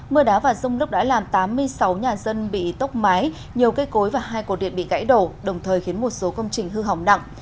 mưa đá và rông lốc đã làm tám mươi sáu nhà dân bị tốc mái nhiều cây cối và hai cổ điện bị gãy đổ đồng thời khiến một số công trình hư hỏng nặng